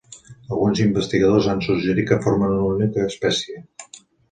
Alguns investigadors han suggerit que formen una única espècie.